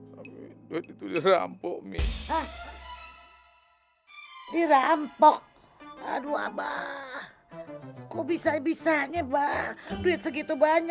sampai jumpa di video selanjutnya